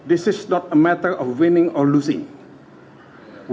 ini bukan masalah menang atau kalah